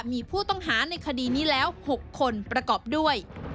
มีผู้ต้องหาในคดีนี้แล้ว๖คนประกอบด้วย